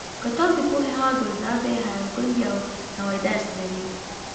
کتاب د پوهې هغه ګلزار دی چې هر ګل یې یو نوی درس لري.